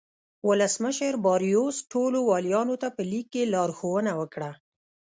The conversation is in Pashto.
ولسمشر باریوس ټولو والیانو ته په لیک کې لارښوونه وکړه.